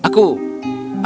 aku sangat berterima kasih